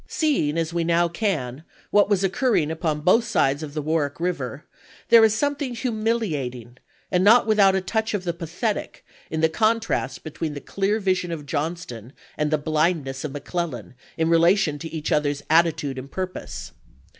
Seeing, as we now can, what was occurring upon both sides of the "Warwick River, there is something humilia ting and not without a touch of the pathetic in the contrast between the clear vision of Johnston and the bUndness of McClellan, in relation to each other's attitude and purpose.